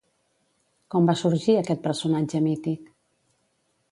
Com va sorgir aquest personatge mític?